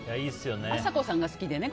あさこさんが好きでね。